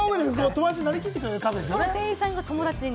友達になりきってくれるカフェですよね。